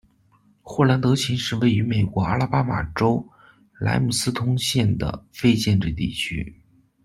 霍兰德琴是一个位于美国阿拉巴马州莱姆斯通县的非建制地区。